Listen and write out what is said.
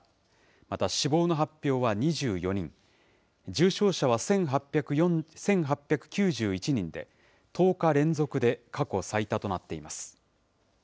また死亡の発表は２４人、重症者は１８９１人で、１０日連続で過去最多となっています。